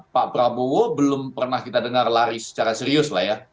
pak prabowo belum pernah kita dengar lari secara serius lah ya